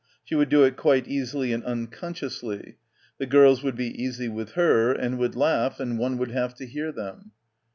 She would do it quite easily and uncon sciously. The girls would be easy with her and would laugh and one would have to hear them.